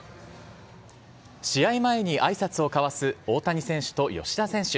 試合前にあいさつを交わす大谷選手と吉田選手。